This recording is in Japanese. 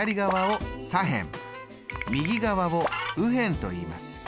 右側を右辺といいます。